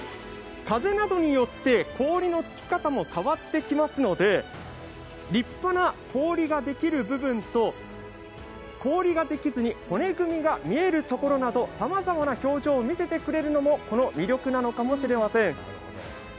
風などによって氷のつき方も変わってきますので立派な氷ができる部分と氷ができずに骨組みが見えるところなどさまざまな表情を見せてくれるのも魅力なのかもしれません。